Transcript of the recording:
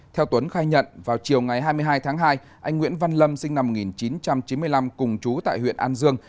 theo tuấn khai nhận vào chiều ngày hai mươi hai tháng hai anh nguyễn văn lâm sinh năm một nghìn chín trăm chín mươi năm cùng chú tại huyện an dương